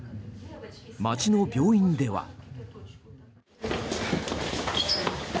街の病院では。